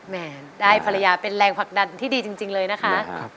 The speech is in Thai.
แม่ได้ภรรยาเป็นแรงผลักดันที่ดีจริงเลยนะคะ